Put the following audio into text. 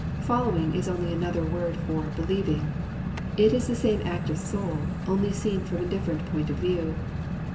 " Following is only another word for " be lieving." It is the same act of sonl, only seen from a differ ent point of view.